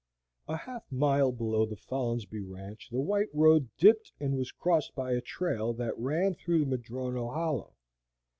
A half mile below the Folinsbee Ranch the white road dipped and was crossed by a trail that ran through Madrono hollow.